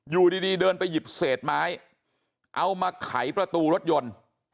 อยู่ดีเดินไปหยิบเศษไม้เอามาไขประตูรถยนต์